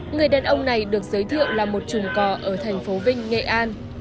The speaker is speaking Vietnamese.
người đàn ông này được giới thiệu là một trùng cò ở thành phố vinh nghệ an